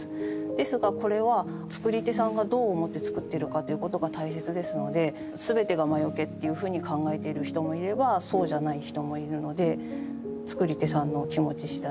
ですがこれは作り手さんがどう思って作ってるかということが大切ですので全てが魔よけっていうふうに考えてる人もいればそうじゃない人もいるので作り手さんの気持ち次第。